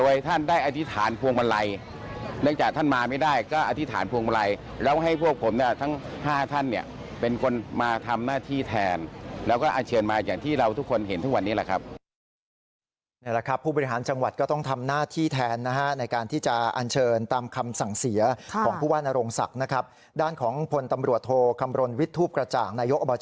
อย่างที่เราทุกคนเห็นทั้งวันนี้แหละครับ